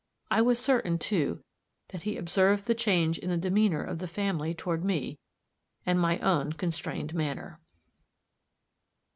I was certain, too, that he observed the change in the demeanor of the family toward me, and my own constrained manner.